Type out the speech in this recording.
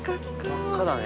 真っ赤だね。